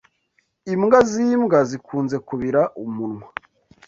Imbwa zimbwa zikunze kubira umunwa.